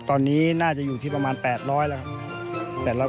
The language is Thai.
ตอนนี้น่าจะอยู่ที่ประมาณ๘๐๐แล้วครับ